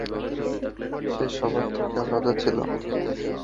সে সবার থেকে আলাদা ছিল।